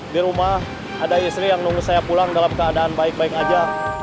di rumah ada istri yang nunggu saya pulang dalam keadaan baik baik aja